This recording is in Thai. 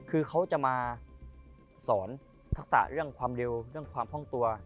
คือเขาจะมาสอนทักษะเรื่องความเร็วเรื่องความคล่องตัว